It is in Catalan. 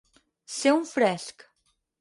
Ser un fresc.